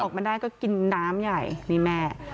ออกมาได้ก็กินน้ำใหญ่นี่แม่